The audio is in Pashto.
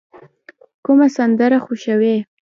کومه سندره خوښوئ؟